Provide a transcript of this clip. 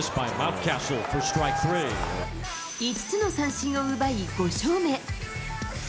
５つの三振を奪い５勝目。